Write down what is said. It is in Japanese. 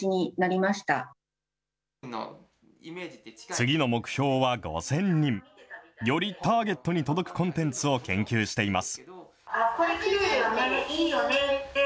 次の目標は５０００人。よりターゲットに届くコンテンツを研究しています。